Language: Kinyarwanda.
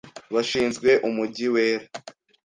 Bashinzwe umujyi wera